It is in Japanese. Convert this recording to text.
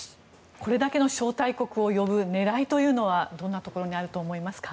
これだけの招待国を呼ぶ狙いというのはどんなところにあると思われますか？